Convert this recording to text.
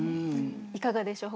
いかがでしょう？